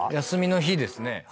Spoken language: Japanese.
休みの日ですね。